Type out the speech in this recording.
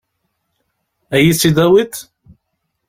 Ad iyi-tt-id-tawiḍ?